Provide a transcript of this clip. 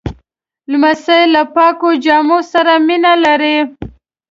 لمسی له پاکو جامو سره مینه لري.